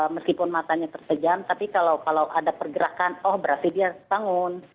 meskipun matanya terkejam tapi kalau ada pergerakan oh berarti dia bangun